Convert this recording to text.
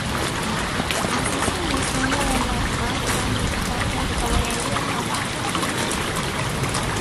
Así se inició una de las más grandes cargas de caballería jamás recordadas.